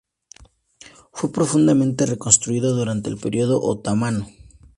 Fue profundamente reconstruido durante el periodo otomano.